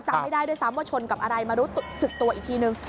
จำไม่ได้ด้วยซ้ำว่าชนกับอะไรมารู้สึกตัวอีกทีนึง